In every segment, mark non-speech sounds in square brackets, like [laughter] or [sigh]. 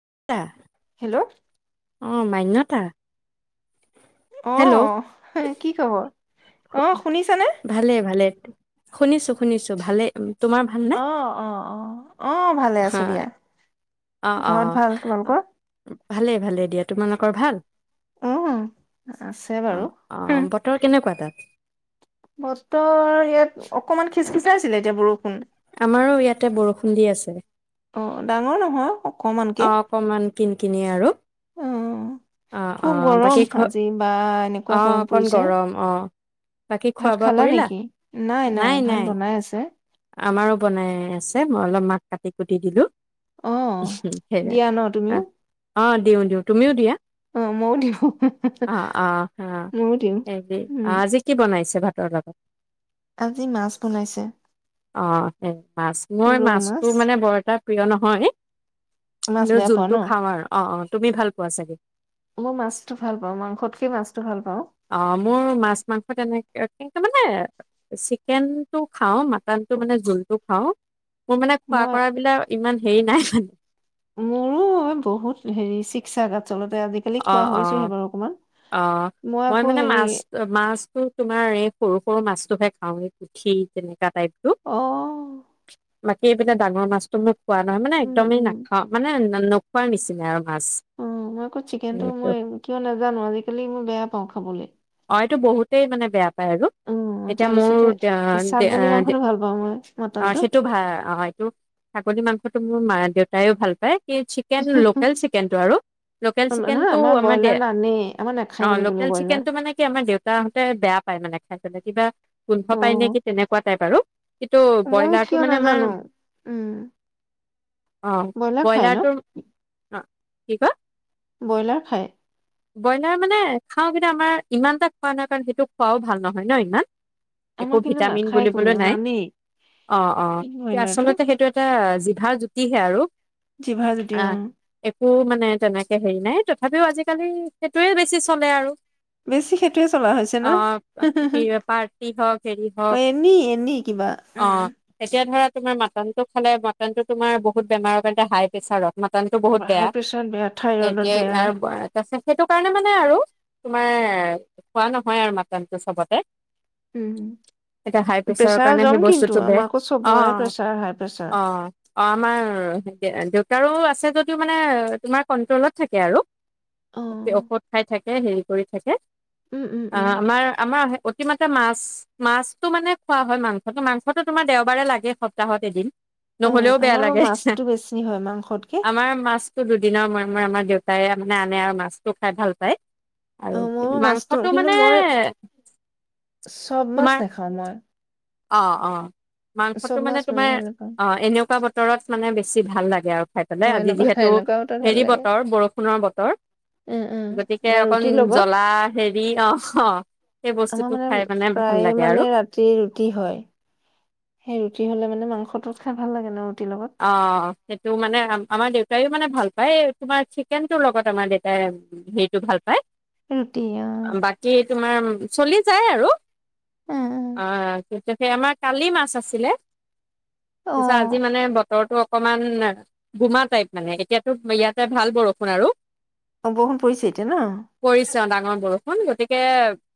[inaudible] Hello অ', Manyata hello অ', কি খবৰ? অ' শুনিছানে? শুনিছোঁ, শুনিছোঁ, ভালে তোমাৰ ভালনে অ', অ, অ, অ' ভালে আছো দিয়া। হয় অ', ঘৰত অ'। ভাল অ' তোমালোকৰ? ভালেই, ভালেই দিয়া। তোমালোকৰ ভাল? উম, আছে অ, বাৰু। অ', হুম, বতৰ কেনেকুৱা তাত? বতৰ ইয়াত অকমান খিচখিচাইছিলে এতিয়া বৰ আমাৰো ইয়াতে বৰষুণ দি আছে। ডাঙৰ নহয় অকমানকে। অ' অকমান কিনকিনিয়া আৰু অ' অ, খুব অ', গৰম বাকী খো আজি বা এনেকুৱা অ', গৰম অকণ পৰিছে। গৰম, অ', বাকী খোৱা ভাত বোৱা খালা কৰিলা? নেকি? নাই, ভাত নাই। বনাই আছে। আমাৰো বনাই আছে, মই অলপ মাক কাটি কুটি দিলো। অ' সেইয়া দিয়া ন তুমিও? অ', দিওঁ, দিওঁ তুমিও দিয়া? অ', মইও দিওঁ অ অ অ মইও দিওঁ হেৰি উম। আজি কি বনাইছে ভাতৰ লগত আজি মাছ বনাইছে। অ', সেই মাছ মই ৰৌ মাছটো মাছ, মানে বৰ এটা প্ৰিয় নহয়। মাছ হ'লেও বেয়া পোৱা জোলটো ন? খাওঁ আৰু অ', অ'। তুমি ভাল পোৱা চাগে? মই মাছটো ভাল পাওঁ, মাংসতকে মাছটো ভাল পাওঁ। অ', মোৰ মাছ, মাংস তেনেকে কিন্তু মানে চিকেনটো খাওঁ, মাটানটো মানে জোলটো খাওঁ। মোৰ মানে খোৱা মই কৰা বিলাক ইমান হেৰি নাই‌ [unintelligible] মোৰো মই বহুত হেৰি চিক চাক অ', অ', অ', মই আকৌ মানে হেৰি মাছ-মাছটো তোমাৰ এই সৰু, সৰু মাছটোকে খাওঁ এই পুঠি তেনেকোৱা টাইপ অহ। বাকী এই পিনে ডাঙৰ মাছটো মোক খোৱা নহয়, মানে উম একদমেই উম নাখাওঁ, মানে নোখোৱাৰ নিচিনা আৰু মাছ মই অ', চিকেনটো এইটো মই কিয় নাজানো আজিকালি মই বেয়া পাওঁ খাবলে। হয়টো বহুতে মানে বেয়া বেয়া পাই আৰু উম এতিয়া মোৰ তাৰপিছতে ছাগলী মাংসটো ভাল পাওঁ মই মটনটো। [unintelligible] সিটো মোৰ মা দেউতায়ো ভাল পায়। কি চিকেন লোকেল চিকেনটো আৰু লোকেল নহয় চিকেনটো, আমাৰ দে ব্ৰইলাৰ নানেই আমাৰ নাখায় অ', মানে কোনেও লোকেল ব্ৰইলাৰ। চিকেনটো মানে আমাৰ দেউতাহঁতে বেয়া পায় মানে খাই পেলাই, কিবা গোন্ধ অ পায় নেকি তেনেকুৱা টাইপ আৰু কিন্তু ময়ো কিয় ব্ৰইলাৰটো মানে নাজানো আমাৰ উম অ', ব্ৰইলাৰ খায় ন? বইলাৰটোৰ [unintelligible] [unintelligible] ব্ৰইলাৰ খায়? ব্ৰইলাৰ মানে খাওঁ কিন্তু আমাৰ ইমান এটা খোৱা নাযাই কিন্তু খোৱাও ভাল নহয় ন ইমান? আমাৰ একো কিন্তু ভিটামিন নাখায় বুলিবলৈ কোনেও নাই নানেই অ', অ', পিংক কিন্তু ব্ৰইলাৰটো আচলতে সেইটো এটা জি জিভাৰ জুতিহে আৰু। জিভাৰ জুতি আহ অ'। একো মানে তেনেকে হেৰি নাই। তথাপিও আজিকালি সেইটোৱে বেছি চলে আৰু।। বেছি সেইটোৱে চলা হৈছে ন অ হে হে পাৰ্টি হওক হেৰি হওক এনেই এনেই কিবা অ উ। এতিয়া ধৰা তোমাৰ মাটনটো খালে মটনো তোমাৰ বহুত বেমাৰৰ বেয়া হাই প্ৰেছাৰত।। মাটনতটো বহুত হাই বেয়া প্ৰেছাৰত বেয়া থাইৰইডত বেয়া এতিয়া তাৰ সেইটো কাৰণে মানে আৰু।। তোমাৰ খোৱা নহয় আৰু মাটনটো চবতে। উম এতিয়া হাই প্ৰেচাৰৰ প্ৰেছাৰ কাৰণে জম সেই কিন্তু বস্তুতটো বেয়া আমাৰ আকৌ অ চবৰে প্ৰেছাৰ হাই প্ৰেছাৰ অ অ আমাৰ দেউ দেউতাৰো আছে। [unintelligible] যিদও মানে তোমাৰ কন্ট্ৰোলত থাকে আৰু অ অকে ঔষধ খাই থাক [inaudible] কৰি থাকে উম উম আ উম আমাৰ আমাৰ [unintelligible] [unintelligible] মাছ মাছটো মানে খোৱা হয় মাংসটো মাংসটো তোমাৰ দেওবাৰে লাগে সপ্তাহত এদিন অ নহলেও বেয়া আমাৰো লাগে। মাছটো বেছি হয় মাংসতকে আমাৰ মাছতো দুদিনৰ মুৰে মাৰ আমাৰ দেউতাই মানে আনে আৰু, মাছটো খাই ভাল পায়। অ আৰু মোৰো মাছটো মাংসটো কিন্তু মানে, মই চব মাছ তোমাৰ নাখাওঁ মই অ, অ মাংসটো চব মানে মাছ ময়ো তোমাৰ ভাল নাপাওঁ অ এনেকুৱা বতৰত মানে বেছি ছি ভাল লাগে আৰু খাই অ পেলাই আজি এনেকুৱা যিহেতু এনেকুৱা বতৰত ভাল হেৰি লাগে বতৰ বৰষুণৰ বতৰ উম উম গতিকে বা উম ৰুটিৰ লগত জ্বলা হেৰি অহ আমাৰ মানে প্ৰায়ে মানে ৰাতি ৰুটি হয়, সেই ৰুটি হলে মানে মাংস তোক খাই ভাল লাগে ন ৰুটিৰ লগত। অ, সেইটো মানে আম আমাৰ দেউত [unintelligible] মানে ভাল পায় তোমাৰ চিকেনটোৰ লগত আমাৰ দেউতাই উম হেৰিটো ভাল পায়। ৰুটি আহ বাকী তোমাৰ চলি যায় আৰু উম আ উম আমাৰ কালি মাছ আছিলে। অ পিছে আজি মানে বত তৰটো অকমান গোমা টাইপ মানে, এতিয়াতো ইয়াতে ভাল বৰষুণ আৰু অ বঅষুন পৰিছে এতিয়া ন? পৰিছে ডাঙৰ বৰষুণ গতিকে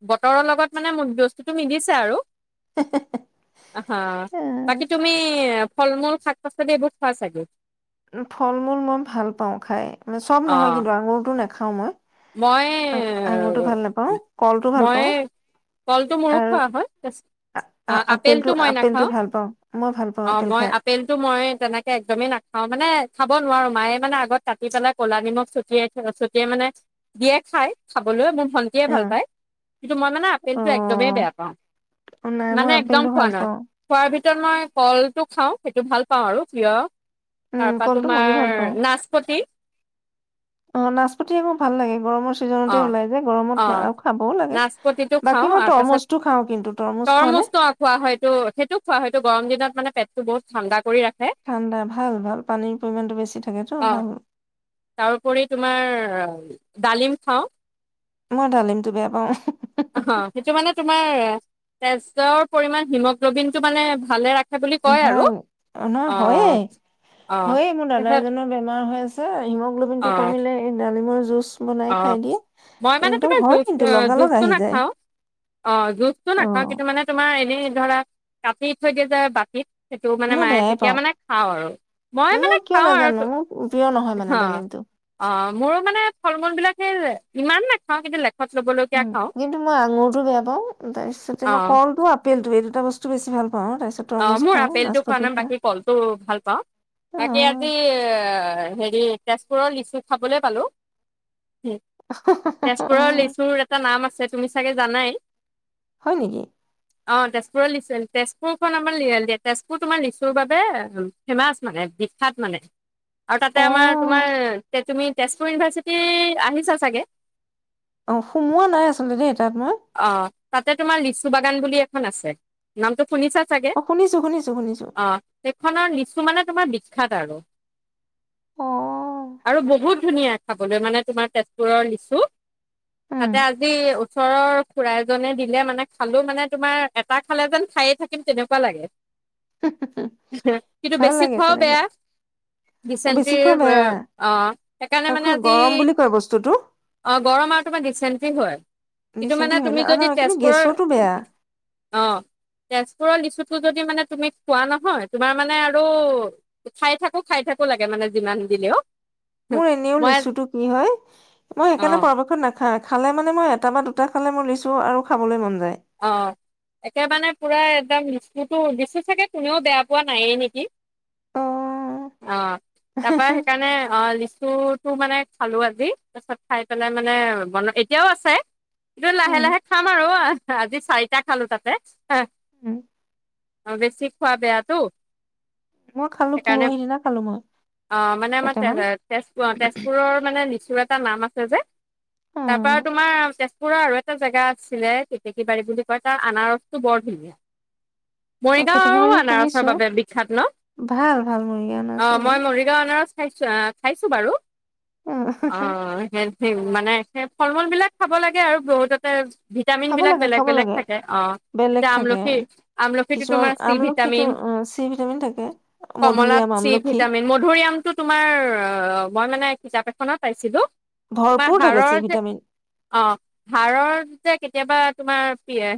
বতৰৰ লগত মানে [unintelligible] বস্তুতটো মিলিছে আৰু হা বাকি উম তুমি ফল মূল শাক [unintelligible] চাগে ফল-মূল মই ভাল পাওঁ খাই। [unintelligible] চব নহয় অ', কিন্তু আঙুৰটো নে খাওঁ মই মই, আ আঙুৰটো ভাল নাপাওঁ কলটো ভাল মই, পাওঁ কলটো মোৰো আৰু খোৱা হয়। আ আ আপেলটো মই আপেলটো নাখাওঁ। ভাল পাওঁ মই ভাল পাওঁ অ, আপেল মই খাই। আপেলটো মই তেনেকে একদমেই নাখাও মানে খাব নোৱাৰো মায়ে মানে আগত কাটি পেলাই ক'লা নিমখ ছটিয়াই থ, ছটিয়াই মানে দিয়ে খাই খাবলৈ মন ভন্টিয়ে অ ভাল কিন্তু মই মানে আপেলটো একদমেই বেয়া পাওঁ অ নাই মই মানে একদম আপেলটো খোৱা ভাল নাই পাওঁ খোৱাৰ ভি মই কলটো খাওঁ, সেইটো ভাল পাওঁ আৰু প্ৰিয়। উম তাৰ পা কলটো তোমাৰ ময়ো ভাল পাওঁ। নাচপতি। অ নাচপতি আকৌ ভাল লাগে গৰমৰ অ', ছিজনতে ওলাই যে গৰমত না অ', খাবও লাগে নাচপতিটো বাকী খাওঁ মই আ তাৰপাছত তৰমুজটো খাওঁ কিন্তু তৰমুজ খোৱা নে তৰমুজটো অ খোৱা হয়টো সেইটো খোৱা হয়টো গৰম দিনত। মানে পেটটো বহুত ঠাণ্ডা কৰি ৰাখে, ঠাণ্ডা ভাল ভাল পানীৰ পৰিমাণটো বেছি থাকেতো অ', ভাল তাৰোপৰি তোমাৰ ডালিম খাওঁ। মই ডালিমটো বেয়া পাও। অ' সেইটো মানে তোমাৰ তেজৰ পৰিমাণ হিমগ্ল'বিনটো মানে ভালে ৰা ভাল অ নহ, হয়য়ে, অ' হয়ে মোৰ দাদা তাৰপিছত এজনৰ বেমাৰ হৈ আছে [unintelligible] হিমোগ্ল'বিনটো অ' কমিলে এই ডালিমৰ জুচ বনাই অ' খাই দিয়ে, মই মানে একদম তোমাৰ হয় জুচ কিন্তু লগা লগ জুচটো আহি যায়। নাখাওঁ অ, জুচটো অ নাখাওঁ, কিন্তু মানে তোমাৰ এই ধৰা কাটি থৈ দিয়ে যে বাটিত। সেইটো মানে মই মায়ে, বেয়াই তেতিয়া পাওঁ মানে খাওঁ আৰু মই মানে মোৰ কিয় খাওঁ আৰু, নাজানো মোৰ প্ৰিয় নহয় মানে অ', ডালিমটো অ, মোৰো মানে বিলাকে ইমান নেখাওঁ কিন্তু লে উ, কিন্তু মই আঙুৰটো বেয়া পাও, তাৰপিছতে মই অ' কলটো আপেল টো এই দুটা বস্তু বেছি ভাল পাওঁ। তাৰপিছত অ', তৰমুজ মোৰ খাওঁ আপেলটো খোৱা নাচপতি নাই, খাওঁ বাকী কলটো ভাল পাওঁ, বাকী অ', আজি হেৰি তেজপুৰৰ লিচু খাবলৈ পালোঁ। তেজপুৰৰ লিচুৰ এটা নাম আছ ছে, তুমি চাগে জানাই? হয় নেকি? অ, তেজপুৰৰ লিচু আছিল, তেজপুৰ এইখন আমাৰ, তেজপুৰ তোমাৰ লিচুৰ বাবে ফেমাচ মানে বিখ্যাত মানে। আৰু তাতে আমাৰ, তোমাৰ অ', তে তুমি তেজপুৰ ইউনিভাৰ্চিটি আহিছা চাগে। অ, সোমোৱা নাই আচলতে দেই [unintelligible] অ তাতে তোমাৰ লিচু বাগান বুলি এখন আছে নামটো শুনিছা চাগে, অ', শুনিছো শুনিছো শুনিছো অ, সেইখনৰ নিচ তো মানে তোমাৰ বিখ্যাত আৰু। অ', আৰু বহুত ধুনীয়া, খাবলৈ মানে তোমাৰ তেজপুৰৰ লিচু, উম, তাতে আজি ওচৰৰ খুৰা এজনে দিলে মানে খালো মানে তোমাৰ এটা খালে যেন খায়ে থাকিম তেনেকুৱা লাগে। কিন্তু ভাল বেছি লাগে খোৱাও তেনেকুৱা বেয়া অ', ডিচেণ্টি বেছি খোৱা বেয়া অ', সেইকাৰণে আৰু মানে খোৱা আজি গৰম বুলি কয় বস্তুটো অ', গৰম আৰু তোমাৰ ডিচেণ্টি হয়। মানে ডিচেণ্ট্ৰি হয় ন তুমি অ', যদি নহয় কিন্তু তেজপুৰৰ গেছতো বেয়া অ', তেজপুৰৰ লিচু যদি মানে তুমি খোৱা নহয়, তোমাৰ মানে আৰু খাই থাকো খাই থাকো লাগে যিমান দিলেও মোৰ এনেও মই লিচুটো কি হয়, মই অ সেইকাৰণে পৰাপক্ষত না খালে মানে মই এটা বা দুটা খালে মোৰ লিচু আৰু খাবলৈ মন যায়। অ', একে মানে পুৰা একদম লিচুতো লিচু চাগে কোনেও বেয়া পোৱা নায়েই নেকি? অ অ', তাৰ পৰা সেইকাৰণে অ', লিচু তোৰ মানে খালো আজি তাৰপিছত খাই পেলাই মানে বন এতিয়াও আছে। এইটো লাহে উম লাহে খাম আৰু। আজি চাৰিটা খালো তাতে হয়, উম অ', বেছি খোৱা বেয়াটো মই খালো সেইকাৰণে পৰহি দিনা খালো মই অ', মানে আমাৰ কেইটামান তেজপুৰ অ', তেজপুৰৰ মানে লিচুৰ এটা নাম তেযে অ তাৰ পৰা তোমাৰ তে পুৰা আৰু এটা জেগা আছিলে তে [unintelligible] বাৰী বুলি কয় তাৰ আনাৰচটো বৰ ধুনীয়া। অ কেতেকী মৰিগাওঁয়ো বাৰী আনাৰচৰ শুনিছো বাৱে বিখ্যাত ন? ভাল ভাল মুৰিগেনৰ আছো অ', মই ভাল মৰিগাওঁ আনাৰচ খাইছো আহ খাইছো বাৰু অ অ' সেই মানে সেই ফল মূল বিলাক খাব লাগে আৰু বহুততে ভিটামিন খাব বিলাক লাগে বেলেগ খাব বেলেগ লাগে থাকে অ বেলেগ এতিয়া থাকে আমলখিৰ আমলখিটো কিছুমান তোমাৰ চি আমলখিটো ভিটামিন চি ভিটামিন থাকে কমলাত মধুৰিআম চি আমলখি ভিটামিন মধুৰী আমটো তোমাৰ অ মই মানে কিতাপ এখনত পাইছিলো তোমাৰ ভৰপূৰ থাকে চি হাড়ৰ যে ভিটামিন অ হাড়ৰ যে কেতিয়াবা, তোমাৰ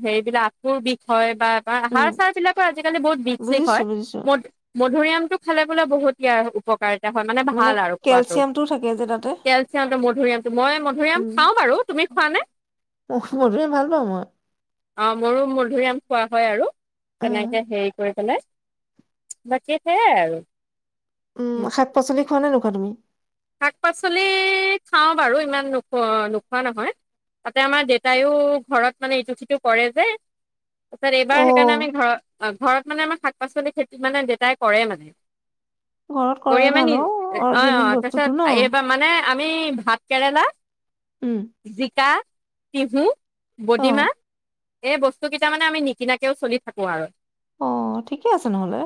হেৰিবিলাক আঠুৰ বিষয় বা, কাৰ আহাৰ উম চাৰ বিলাকৰ আজিকালি বহুত বিষ চিস বুজিছো হয় বুজিছো ম মধুৰিআমটো, খালে বোলে বহুত ইয়াৰ উপকাৰ হয় মানে ভাল আৰু খোৱাটো কেলচিয়ামটোও থাকে যে তাতে কেলচিয়াম টো মধুৰিআমটো মই মধুৰিআম উম খাওঁ বাৰু তুমি খোৱা নে মধুৰিআম ভাল পাওঁ মই অ মোৰো মধুৰিআম খোৱা হয় আৰু উম তেনেকে হেৰি কৰি পেলাই বাকী সেইয়াই আৰু উম শাক পাচলি, খোৱা নে নোখোৱা তুমি? শাক পাচলি খাওঁ বাৰু ইমান নোখো নোখোৱা নহয়, তাতে আমাৰ দেতাইও ঘৰত মানে ইটো সিটো কৰে যে তাৰপি এইবাৰ অ সেইকাৰণে আমি ঘৰত ঘৰত মানে আমাৰ শাক পাচলি খেতি মানে দেতাই কৰে মানে। ঘৰত কৰি কৰাই আমাৰ নি ভাল অ' অ অৰ্গেনিক তাৰপিছত বস্তুটো। ন এইবাৰ মানে আমি ভাত কেৰেলা উম জিকা। তিহু। অ বদীমা। এই বস্তু কেইটা মানে আমি নিকিনাকেও চলি থাকো আৰু। অ' ঠিকে আছে নহলে।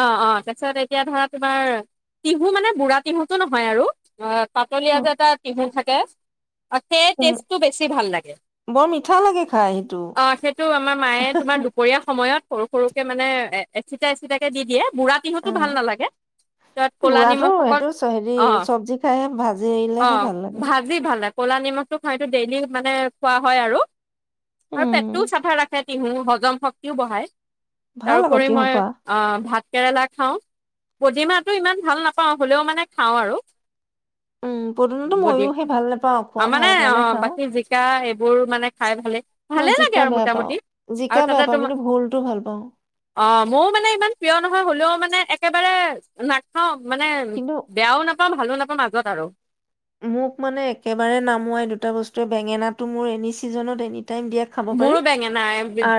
অ অ তাৰপিছত এতিয়া ধৰা তোমাৰ তিহু মানে বুঢ়া তিহুটো নহয় আৰু। অ'। অ, পাতলীয়া যে এটা তিহু থাকে। অ' সেই উম টেষ্টটো বেছি ভাল লাগে, বৰ মিঠা লাগে খাই সেইটো অ' সেইটো আমাৰ মায়ে তোমাৰ দুপৰীয়া সময়ত সৰু সৰুকে মানে এ এচিটা এচিটাকে দি দিয়ে। বুঢ়া তিহুতো উম ভাল নালাগে তত ক'লা নিমখসকল, অ'। খাই ভাজি অ আহিললেহে ভাল লাগে। ভাজি ভাল ক'লা নিমখটো খাইটো ডেইলি মানে খোৱা হয় আৰু। আৰু উম পেটটোও চাফা ৰাখে। তিহু হজম শক্তিও বঢ়ায়। ভাল আকৌ তাৰোপৰি তিয়হ মই খোৱা আহ ভাত কেৰেলা খাওঁ। পদিনাটো ইমান ভাল নাপাওঁ হ'লেও মানে খাওঁ আৰু। উম পদুনাটো বদি, ময়ো সেই ভাল নাপাওঁ অ খোৱা মানে ভাল অ কাৰণে খাওঁ বাকী জিকা এইবোৰ মানে খাই ভালে মই ভালেই লাগে জিকা আৰু বেয়া পাওঁ মোটামুটি আৰু জিকা তাতে বেয়া পাওঁ তোমাৰ, কিন্তু ভোলটো ভাল পাওঁ অ' মোৰো মানে ইমান প্ৰিয় নহয় হলেও মানে একেবাৰে নাখাওঁ। মানে কিন্তু বেয়াও নাপাওঁ। মই ভালো। [unintelligible] আগত আৰু। মোক মানে একেবাৰে নামোৱাই দুটা বস্তুৱে বেঙেনাটো মোৰ এনি চিজনত এ দিয়া খাব পাৰিম মোৰো বেঙেনা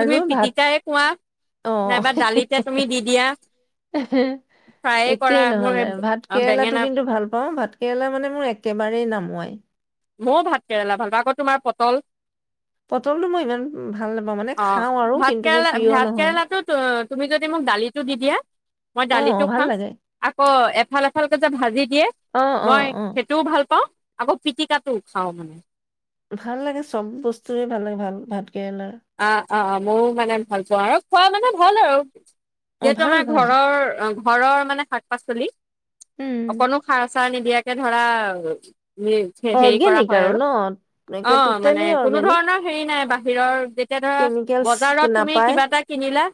তুমি ভাত। পিটিকাই কোৱা অ' নাইবা দালিতে তুমি দি দিয়া ফ্ৰায়ে কৰা একেই মোৰ নহলে ভাত কেৰেলাটো বেঙেনা কিন্তু ভাল পাওঁ ভাত কেৰেলা মানে মোৰ [unintelligible] মই। ময় ভাত কেৰেলা ভাল পাওঁ আকৌ তোমাৰ পটল। পটলটো মই ইমান ভাল নাপাওঁ মানে অ', খাওঁ আৰু ভাত কিন্তু মোৰ কেৰেলা প্ৰিয় ভাত নহয় কেৰেলাটো তুমি যদি মোক দালিটো দি দিয়া মই অ দালিটো ভাল খাম লাগে আকৌ ফালেফাল কে যে ভাজি দিয়ে, অ অ মই অ সেইটোও ভাল পাওঁ। আকৌ পিটিকা টো খাওঁ মানে। ভাল লাগে চব বস্তুৱে ভাল লাগে, ভাল ভাত কেৰেলাৰ অ' অ'। খোৱা মানে ভাল আৰু অ যিহেতু ভাল আমাৰ ভাল ঘৰৰ, অ' ঘৰৰ মানে শাক পাচলি। উম অকণো সাৰ-চাৰ নিদিয়াকে ধৰা হেৰি কৰা অৰ্গেনিক হয় আৰু ন একে অ' মানে টোটেলি কোনো অৰ্গেনিক ধৰণৰ হেৰি নাই, বাহিৰৰ ধৰা কেমিকেলছ বজাৰত তুমি নাপায় কিবা এটা কিনিলা,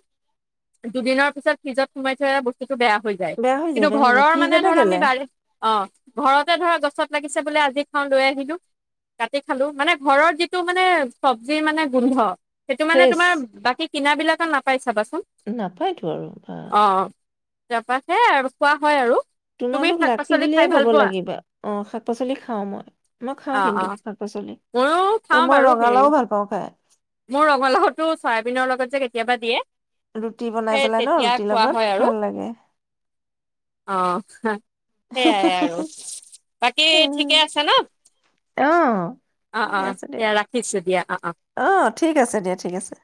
দুদিনৰ পিছত ফিজত সোমাই থয় আৰু বস্তু বেয়া হয় যায় বেয়া হৈ যায় কিন্তু বেয়া হৈ যায় ঘৰৰ মানে ফ্ৰিজতে ধৰ আমি গেলে ডাইৰেক্ট, অ' ঘৰতে ধৰা গছত লাগিছে বোলে আজি খাওঁ লৈ আহিলোঁ, কাটি খালোঁ মানে ঘৰৰ যিটো মানে চব্জিৰ মানে গোন্ধ সেইটো মানে ফ্ৰেছ তোমাৰ বাকী কিনা বিলাকে নাপাই চাবা নাপায়তো আৰু বা। তাৰপৰা সেয়াই আৰু খোৱা হয় আৰু তুমি তোমালোক শাক লাকী পাচলি বুলিয়ে খাই ভাল কব পোৱা লাগিব, অ' শাক-পাচলি খাওঁ মই, মই অ খাওঁ কিন্তু অ শাক-পাচলি ময়ো আৰু খাওঁ মই বাৰু হেৰি ৰঙালাও ভাল পাওঁ খাই। মোৰ ৰঙালাও টো ছয়াবিনৰ লগত যে কেতিয়াবা দিয়ে ৰুটি বনাই সেই পেলাই ন, তেতিয়া ৰুটি খোৱা হয় লগত আৰু ভাল লাগে। অ [unintelligible] সেইয়াই আৰু বাকী ঠিকে আছে ন। অ'। অ' ঠিকে অ' আছে দিয়া সেয়া ৰাখিছো দিয়া, অ' অ'। ঠিক আছে দিয়া ঠিক আছে।